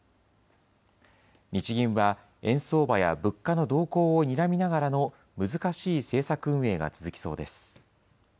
日銀は、円相場や物価の動向をにらみながらの難しい政策運営が続きそうです。